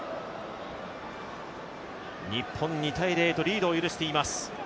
日本、２−０とリードを許しています。